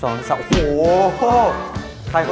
คนสุดท้ายโอ้โหตายล่ะ